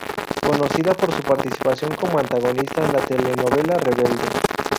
Conocida por su participación como antagonista en la telenovela "Rebelde".